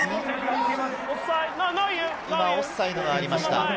今、オフサイドがありました。